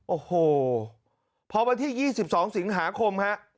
โอ้โหพอวันที่๒๒สิงหาคมฮะ